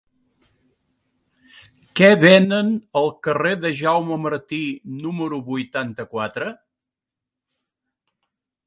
Què venen al carrer de Jaume Martí número vuitanta-quatre?